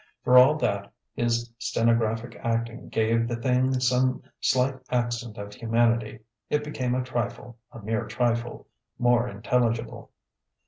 For all that, his stenographic acting gave the thing some slight accent of humanity. It became a trifle, a mere trifle, more intelligible.